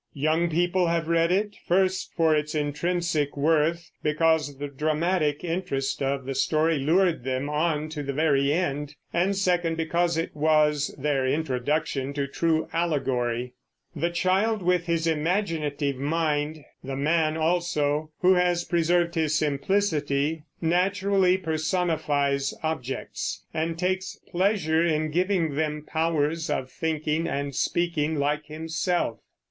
Young people have read it, first, for its intrinsic worth, because the dramatic interest of the story lured them on to the very end; and second, because it was their introduction to true allegory. The child with his imaginative mind the man also, who has preserved his simplicity naturally personifies objects, and takes pleasure in giving them powers of thinking and speaking like himself.